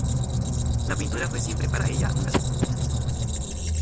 La pintura fue siempre para ella una segunda vía de expresión.